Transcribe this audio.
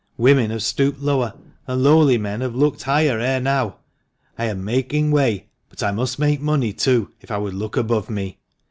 Women have stooped lower, and lowly men have looked higher ere now. I am making way, but I must make money too, if I would look above me.